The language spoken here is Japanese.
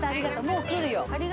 もう来るよ。